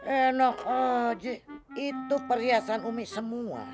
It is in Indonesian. enak aja itu perhiasan umi semua